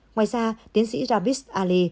ngoài ra tiến sĩ ravis ali